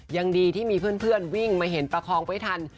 ยังดีที่มีเพื่อนวิ่งมาเห็นประคองไว้ทัน